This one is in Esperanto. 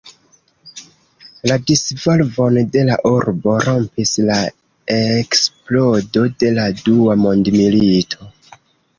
La disvolvon de la urbo rompis la eksplodo de la Dua Mondmilito.